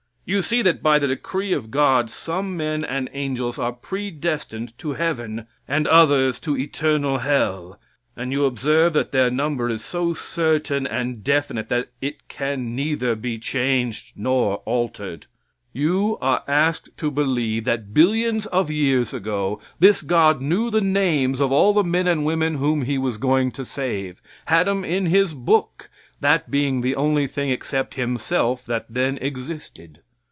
You see that by the decree of God some men and angels are predestinated to heaven and others to eternal hell, and you observe that their number is so certain and definite that it can neither be changed nor altered. You are asked to believe that billions of years ago this God knew the names of all the men and women whom He was going to save. Had 'em in His book, that being the only thing except Himself that then existed.